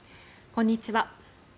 こんにちは。